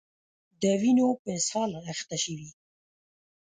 د وینو په اسهال اخته شوي